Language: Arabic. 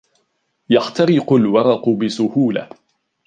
يحترق الورق بسهوله.